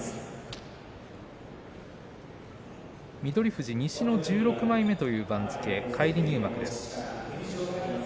富士、西の１６枚目という番付返り入幕です。